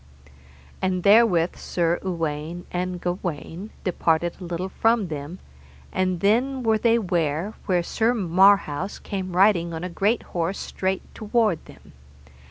And therewith Sir Uwaine and Gawaine departed a little from them, and then were they ware where Sir Marhaus came riding on a great horse straight toward them.